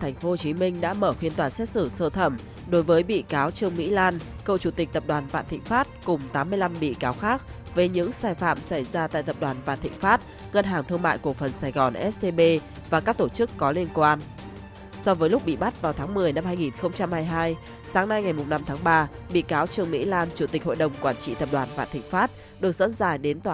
hãy đăng ký kênh để ủng hộ kênh của chúng mình nhé